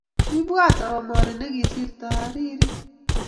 Kimwat bomori nekiristo ariri